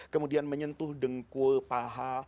kemudian menyentuh dengkul paha